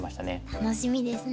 楽しみですね。